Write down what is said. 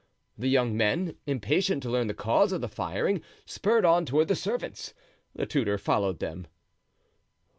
The young men, impatient to learn the cause of the firing, spurred on toward the servants. The tutor followed them.